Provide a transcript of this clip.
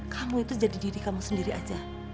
kamu itu jadi diri kamu sendiri aja